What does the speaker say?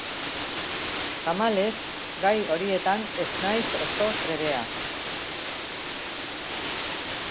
Tamalez, gai horietan ez naiz oso trebea.